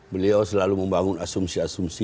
beliau selalu membangun asumsi asumsi